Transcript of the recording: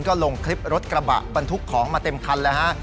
ก็ลงคลิปรถกระบะบรรทุกของมาเต็มคันเลยฮะ